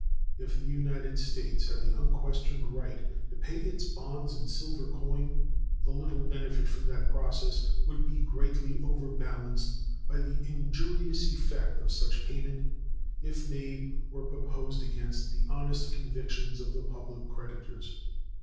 If the United States had the unquestioned right to pay its bonds in silver coin, the little benefit from that process would be greatly overbalanced by the injurious effect of such payment if made or proposed against the honest convictions of the public creditors.